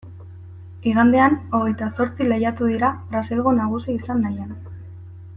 Igandean, hogeita zortzi, lehiatu dira Brasilgo nagusi izan nahian.